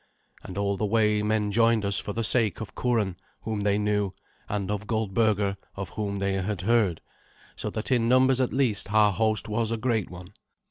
And all the way men joined us for the sake of Curan, whom they knew, and of Goldberga, of whom they had heard, so that in numbers at least our host was a great one.